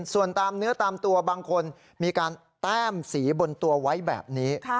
ส่วนตามเนื้อตามตัวบางคนมีการแต้มสีบนตัวไว้แบบนี้